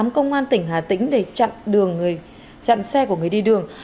công an tỉnh hà tĩnh để chặn xe của người đi đường